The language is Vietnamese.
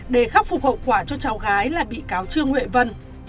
để khắc phục hậu quả cho cháu gái là bị cáo trương huệ vân